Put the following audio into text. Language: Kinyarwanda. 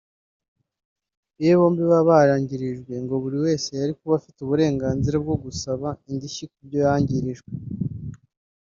Iyo bombi baba bangirijwe ngo buri wese yari kuba afite uburenganzira bwo gusaba indishyi ku byo yangirijwe